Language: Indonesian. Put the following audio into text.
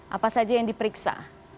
apa saja yang diperiksa